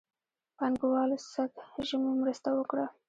پانګهوالو سږ ژمی مرسته وکړه.